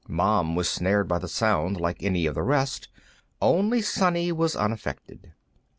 Mom was snared by the sound like any of the rest; only Sonny was unaffected.